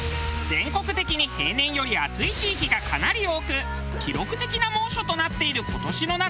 全国的に平年より暑い地域がかなり多く記録的な猛暑となっている今年の夏。